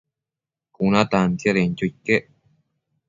Cuna tantiadenquio iquec